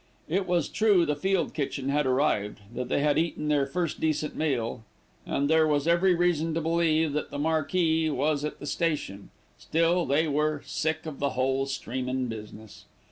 It was true the field kitchen had arrived, that they had eaten their first decent meal, and there was every reason to believe that the marquee was at the station; still they were "sick of the whole streamin' business."